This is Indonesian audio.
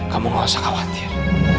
kamu gak usah khawatir